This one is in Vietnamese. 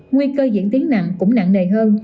nguy cơ diễn tiến nặng cũng nặng nề hơn